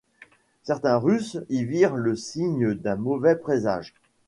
Certains Russes y virent le signe d'un mauvais présage.